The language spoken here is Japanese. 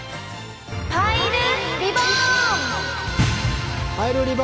パイルリボーン。